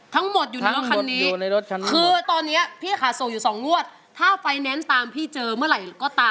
ทั้งหมดอยู่ในรถคันนี้